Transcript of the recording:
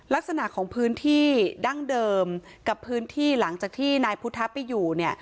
ลักษณะของพื้นที่ดั้งเดิมกับพื้นที่หลังจากที่นายพุทธะไปอยู่เนี่ย